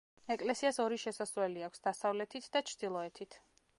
ეკლესიას ორი შესასვლელი აქვს: დასავლეთით და ჩრდილოეთით.